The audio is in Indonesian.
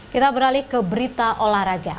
kita beralih ke berita olahraga